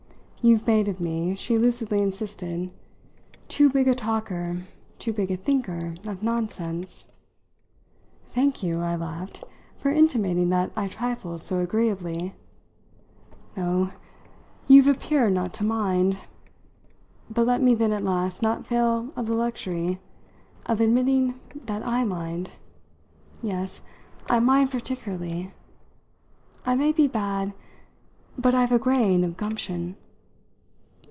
"You've made of me," she lucidly insisted, "too big a talker, too big a thinker, of nonsense." "Thank you," I laughed, "for intimating that I trifle so agreeably." "Oh, you've appeared not to mind! But let me then at last not fail of the luxury of admitting that I mind. Yes, I mind particularly. I may be bad, but I've a grain of gumption."